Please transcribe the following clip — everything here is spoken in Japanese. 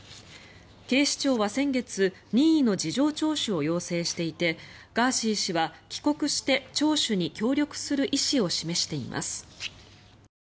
警視庁は先月、任意の事情聴取を要請していてガーシー氏は帰国して聴取に協力する意思を示しています。